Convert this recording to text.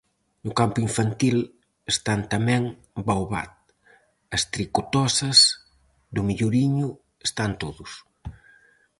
No campo infantil están tamén "Baobab", "As tricotosas"... do melloriño están todos.